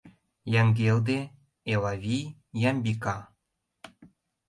Яҥгелде, Элавий, Ямбика.